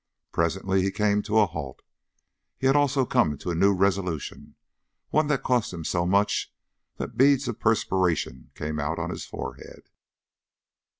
Presently he came to a halt. He had also come to a new resolution, one that cost him so much that beads of perspiration came out on his forehead.